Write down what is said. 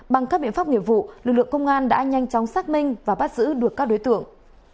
bằng các biện pháp nghiệp vụ lực lượng công an đã nhanh chóng xác minh và bắt giữ được các đối tượng